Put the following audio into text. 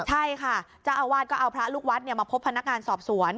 ใช่ค่ะเจ้าอาวาสก็เอาพระลูกวัดมาพบพนักงานสอบสวน